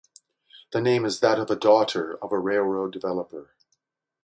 The name is that of a daughter of a railroad developer.